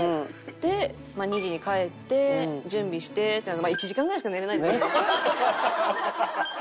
で２時に帰って準備してってなると１時間ぐらいしか寝れないですよね。